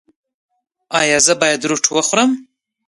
ایا زه باید روټ وخورم؟